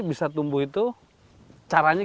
bisa tumbuh itu caranya